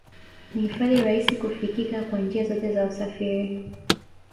Ni hifadhi rahisi kufikika kwa njia zote za usafiri